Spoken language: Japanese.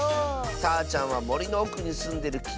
たーちゃんはもりのおくにすんでるき